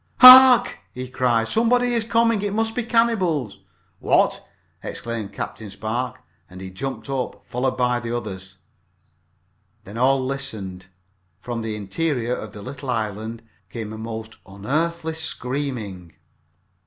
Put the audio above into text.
"Hark!" he cried. "Somebody is coming! It must be the cannibals!" "What!" exclaimed Captain Spark, and he jumped up, followed by the others. Then all listened. From the interior of the little island came a most unearthly screaming.